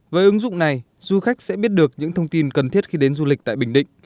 với ứng dụng này du khách sẽ biết được những thông tin cần thiết khi đến du lịch tại bình định